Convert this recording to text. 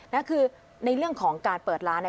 แล้วคือในเรื่องของการเปิดร้าน